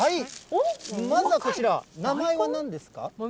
まずはこちら、名前はなんですか？